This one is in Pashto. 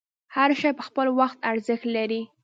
هر شی په خپل وخت ارزښت لري.